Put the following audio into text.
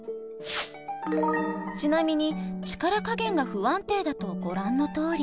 ちなみに力加減が不安定だとご覧のとおり。